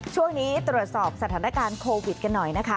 ช่วงนี้ตรวจสอบสถานการณ์โควิดกันหน่อยนะคะ